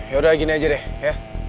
yaudah gini aja deh ya